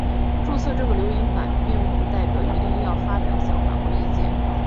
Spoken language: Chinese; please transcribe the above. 注册这个留言版并不代表一定要发表想法或意见。